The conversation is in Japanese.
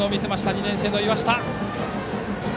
２年生の岩下。